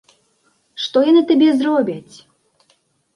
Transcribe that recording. Што яны табе зробяць?